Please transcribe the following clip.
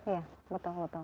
iya betul betul